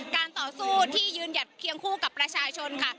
การต่อสู้ที่ยืนหยัดเคียงคู่กับประชาชนค่ะ